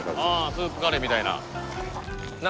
スープカレーみたいなああ